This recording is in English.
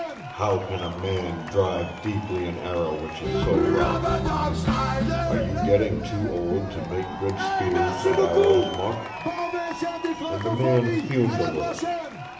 How can a man drive deeply an arrow which is so rough? Are you getting too old to make good spears and arrows, Mok?" And the man fumed a little.